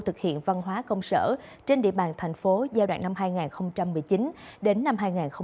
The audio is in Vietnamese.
thực hiện văn hóa công sở trên địa bàn thành phố giai đoạn năm hai nghìn một mươi chín đến năm hai nghìn hai mươi